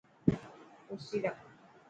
ڪرسي رک.